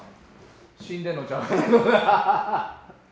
死んでんのちゃうかなと。